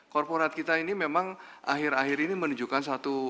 korporat kita ini memang akhir akhir ini menunjukkan satu